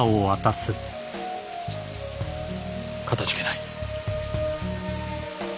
かたじけない。